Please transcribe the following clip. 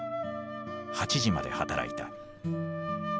８時まで働いた。